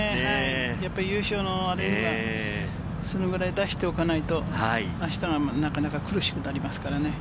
やっぱり優勝のあれはそれぐらい出しておかないと、あしたがなかなか苦しくなりますからね。